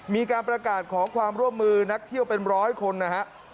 มีการประกาศขอความร่วมมือนักเที่ยวเป็นร้อยคนนะฮะ